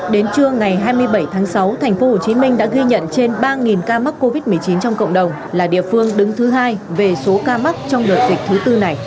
đến trưa ngày hai mươi bảy tháng sáu tp hcm đã ghi nhận trên ba ca mắc covid một mươi chín trong cộng đồng là địa phương đứng thứ hai về số ca mắc trong đợt dịch thứ tư này